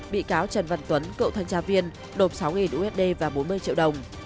bị cáo trần văn tuấn cậu thanh tra viên nộp sáu usd và bốn mươi triệu đồng